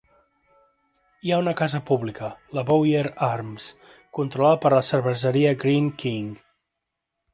Hi ha una casa pública, la Bowyer Arms, controlada per la cerveseria Greene King.